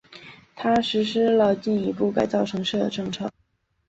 他实施了进一步改造城市的政策。